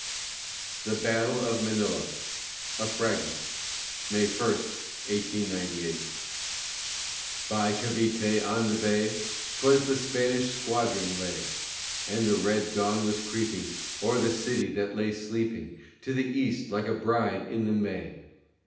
THE BATTLE OF MANILA A FRAGMENT [May 1, 1898] By Cavité on the bay 'Twas the Spanish squadron lay; And the red dawn was creeping O'er the city that lay sleeping To the east, like a bride, in the May.